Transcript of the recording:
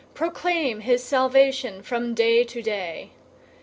Proclaim his salvation from day to day!